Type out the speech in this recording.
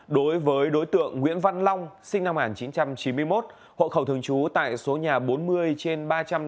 đối với đối tượng nguyễn văn long sinh năm một nghìn chín trăm chín mươi một hộ khẩu thường trú tại số nhà bốn mươi trên ba trăm sáu mươi